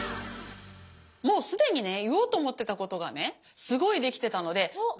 もう既にね言おうと思ってたことがねすごいできてたのでまとめます。